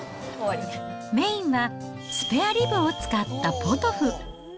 メインはスペアリブを使ったポトフ。